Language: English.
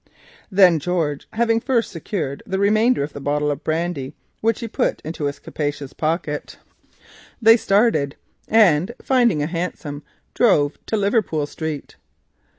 Then George having first secured the remainder of the bottle of brandy, which he slipped into his capacious pocket, they started, and drove to Liverpool Street.